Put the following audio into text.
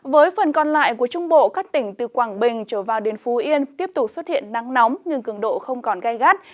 với phần còn lại của trung bộ các tỉnh từ quảng bình trở vào đến phú yên tiếp tục xuất hiện nắng nóng nhưng cường độ không còn gai gắt